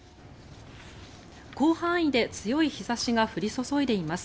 広範囲で強い日差しが降り注いでいます。